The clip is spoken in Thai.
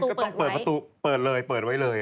ก็ต้องเปิดประตูเปิดเลยเปิดไว้เลย